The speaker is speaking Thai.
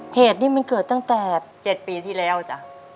เหตุนี้มันเกิดตั้งแต่๗ปีที่แล้วจ้ะ